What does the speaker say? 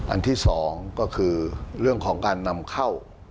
อันที่๒ก็คือเรื่องของการนำเข้า